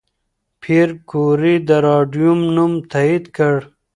پېیر کوري د راډیوم نوم تایید کړ.